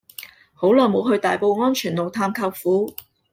好耐無去大埔全安路探舅父